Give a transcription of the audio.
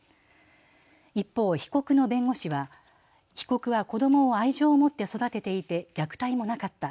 一方、被告の弁護士は被告は子どもを愛情を持って育てていて虐待もなかった。